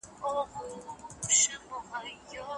دارغنداب سیند د خلکو لپاره د کار زمینه برابره کړې ده.